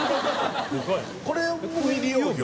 これも未利用魚？